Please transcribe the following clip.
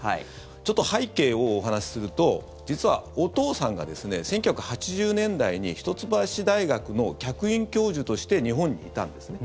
ちょっと背景をお話しすると実はお父さんがですね１９８０年代に一橋大学の客員教授として日本にいたんですね。